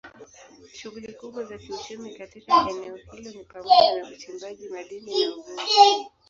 Shughuli kubwa za kiuchumi katika eneo hilo ni pamoja na uchimbaji madini na uvuvi.